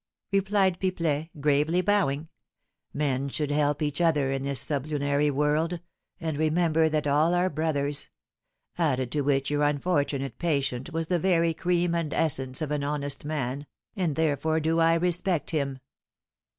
replied Pipelet, gravely bowing. "Men should help each other in this sublunary world, and remember that all are brothers; added to which your unfortunate patient was the very cream and essence of an honest man, and therefore do I respect him."